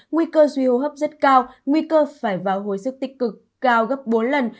nguy cơ suy hô hấp rất cao nguy cơ phải vào hối sức tích cực cao gấp bốn lần